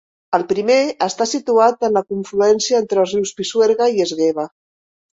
El primer està situat en la confluència entre els rius Pisuerga i Esgueva.